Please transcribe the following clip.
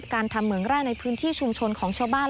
การทำเหมืองแร่ในพื้นที่ชุมชนของชาวบ้าน